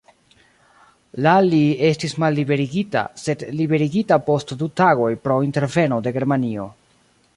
La li estis malliberigita, sed liberigita post du tagoj pro interveno de Germanio.